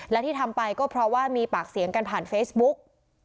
และที่ทำไปก็เพราะว่ามีปากเสียงกันผ่านเฟซบุ๊ก